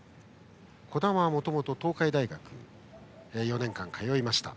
児玉はもともと東海大学に４年間通いました。